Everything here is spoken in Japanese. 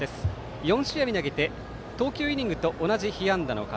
４試合で投げて投球イニングと同じ被安打の数。